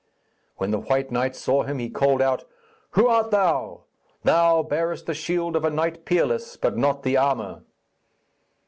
When the white knight saw him he called out: 'Who art thou? Thou bearest the shield of a knight peerless, but not the armour.'